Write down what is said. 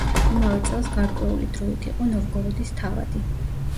იმავე წელს გარკვეული დროით იყო ნოვგოროდის თავადი.